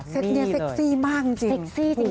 เซ็ทเนี่ยเซ็กซี่บ้างจริง